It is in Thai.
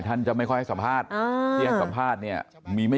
ท่านจะไม่ค่อยให้สัมภาษณ์ที่ให้สัมภาษณ์เนี่ยมีไม่